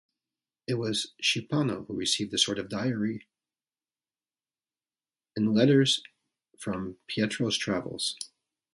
It was Schipano who received a sort of diary in letters from Pietro's travels.